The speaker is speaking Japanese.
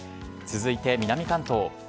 続いて南関東。